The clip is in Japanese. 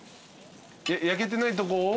焼けてないとこを？